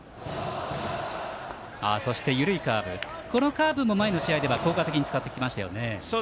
カーブも前の試合では効果的に使ってきましたよね。